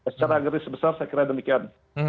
secara geris besar saya kira demikian